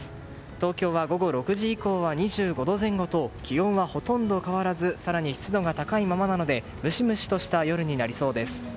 東京は午後６時以降は２５度前後と気温はほとんど変わらず湿度が高いままなのでムシムシとした夜になりそうです。